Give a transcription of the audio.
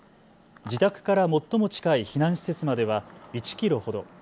自宅から最も近い避難施設までは１キロほど。